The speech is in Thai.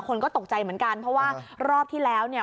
คนก็ตกใจเหมือนกันเพราะว่ารอบที่แล้วเนี่ย